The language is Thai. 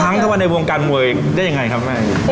ครั้งแล้วในวงการมวยได้อย่างไรครับแม่